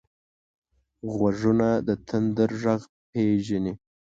غوږونه د تندر غږ پېژني